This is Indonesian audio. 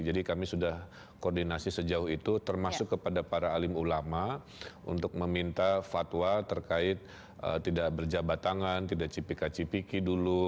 jadi kami sudah koordinasi sejauh itu termasuk kepada para alim ulama untuk meminta fatwa terkait tidak berjabat tangan tidak cipika cipiki dulu